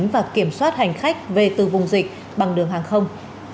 và kiểm soát hành khách về từ vùng dịch bằng đường hàng không